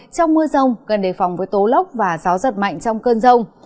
trong mưa rông gần đề phòng với tố lốc và gió giật mạnh trong cơn rông